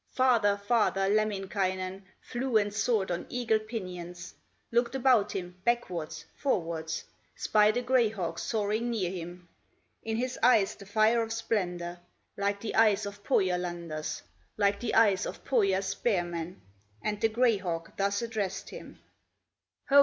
Farther, farther, Lemminkainen Flew and soared on eagle pinions, Looked about him, backwards, forwards, Spied a gray hawk soaring near him, In his eyes the fire of splendor, Like the eyes of Pohyalanders, Like the eyes of Pohya's spearmen, And the gray hawk thus addressed him: "Ho!